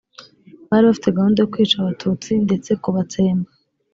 bari bafite gahunda yo kwica abatutsi ndetse kubatsemba